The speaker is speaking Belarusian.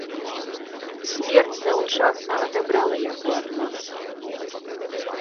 Смерць заўчасна адабрала яго ад нас.